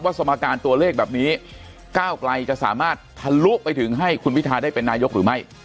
สมการตัวเลขแบบนี้ก้าวไกลจะสามารถทะลุไปถึงให้คุณพิทาได้เป็นนายกหรือไม่